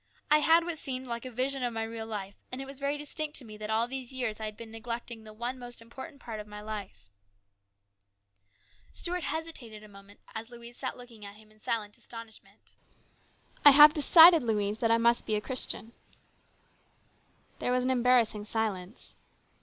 " I had what seemed like a vision of my real life, and it was very distinct to me that all these years I had been neglecting the one most important part of my life." Stuart hesitated a moment as Louise sat looking at him in silent astonishment. " I have decided, Louise, that I must be a Christian." There was an embarrassing silence.